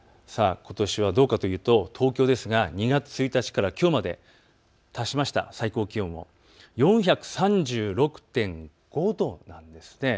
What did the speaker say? ことしはどうかというと東京ですが２月１日からきょうまで足しました、最高気温、４３６．５度なんです。